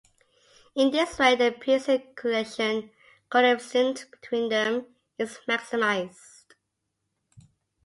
In this way the Pearson correlation coefficient between them is maximized.